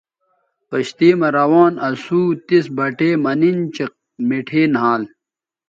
کشتئ مہ روان اسو تس بٹے مہ نِن چہء مٹھے نھال